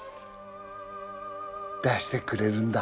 出してくれるんだ。